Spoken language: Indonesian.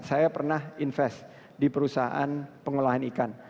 saya pernah invest di perusahaan pengelolaan ikan